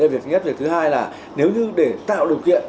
việc nhất việc thứ hai là nếu như để tạo điều kiện